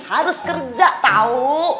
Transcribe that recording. harus kerja tahu